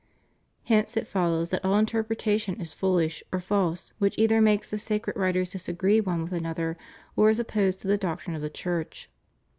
Hence it follows that all interpretation is foolish or false which either makes the sacred writers disagree one with anothei, or is opposed to the doctrine of the Church.